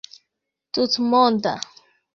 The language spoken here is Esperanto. tutmonda